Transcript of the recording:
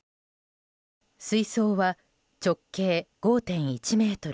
水槽は直径５．１ｍ